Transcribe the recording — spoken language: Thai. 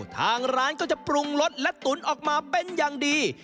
ทางร้านก็จะปรุงรสและตุ๋นออกมาเป็นอย่างดี